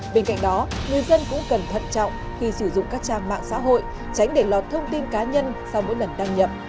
bên cạnh đó người dân cũng cần thận trọng khi sử dụng các trang mạng xã hội tránh để lọt thông tin cá nhân sau mỗi lần đăng nhập